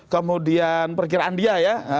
kemudian perkiraan dia